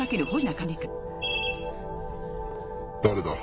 誰だ？